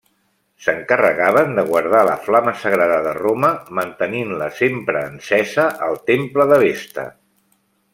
S'encarregaven de guardar la flama sagrada de Roma, mantenint-la sempre encesa al Temple de Vesta.